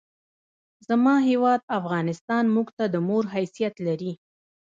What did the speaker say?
زما هېواد افغانستان مونږ ته د مور حیثیت لري!